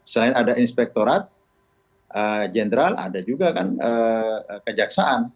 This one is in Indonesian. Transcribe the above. selain ada inspektorat jenderal ada juga kan kejaksaan